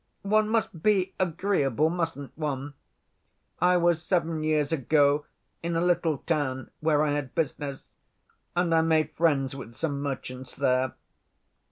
One must be agreeable, mustn't one? I was seven years ago in a little town where I had business, and I made friends with some merchants there.